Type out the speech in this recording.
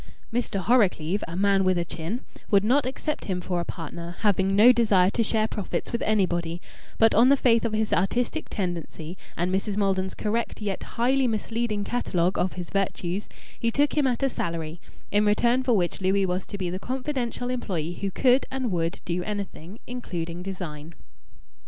Mr. Horrocleave, a man with a chin, would not accept him for a partner, having no desire to share profits with anybody; but on the faith of his artistic tendency and Mrs. Maldon's correct yet highly misleading catalogue of his virtues, he took him at a salary, in return for which Louis was to be the confidential employee who could and would do anything, including design.